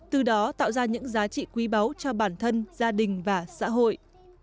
từ đó tạo ra những giá trị quý báu cho bản thân gia đình và xã hội